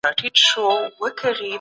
سوسیالیزم د نویو فکرونو پایله وه.